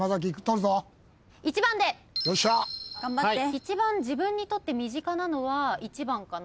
一番自分にとって身近なのは１番かなと。